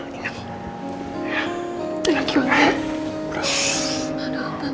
terima kasih tante